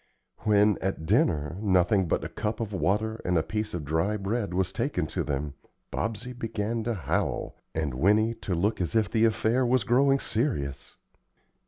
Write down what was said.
When, at dinner, nothing but a cup of water and a piece of dry bread was taken to them, Bobsey began to howl, and Winnie to look as if the affair was growing serious.